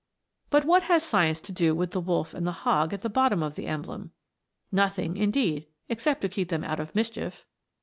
But what has Science to do with the wolf and the hog at the bottom of the emblem? Nothing, indeed, except to keep them out of mischief!